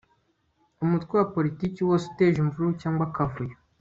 umutwe wa politiki wose uteje imvururu cyangwa akavuyo